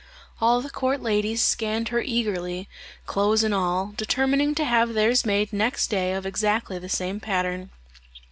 All the court ladies, scanned her eagerly, clothes and all, determining to have theirs made next day of exactly the same pattern.